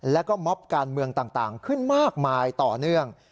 แล้วก็มอบการเมืองต่างขึ้นมากมายต่อเนื่อง